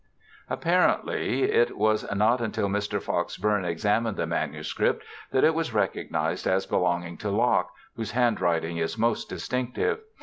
Apparently it was not until Mr. Fox Bourne examined the manuscript that it was recognized as belonging to Locke, whose handwriting is most distinctive.